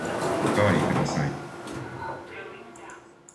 おかわりください。